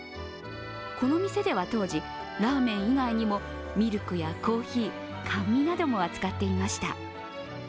この店では当時、ラーメン以外にもミルクやコーヒー甘味なども扱っていました。